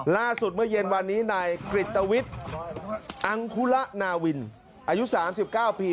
เมื่อเย็นวันนี้นายกริตวิทย์อังคุระนาวินอายุ๓๙ปี